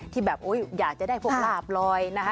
ที่อยากจะได้พวกลาบรอย